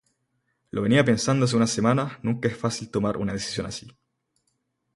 Lo venía pensando hace unas semanas, nunca es fácil tomar una decisión así.